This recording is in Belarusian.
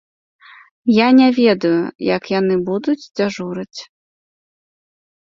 Я не ведаю, як яны будуць дзяжурыць.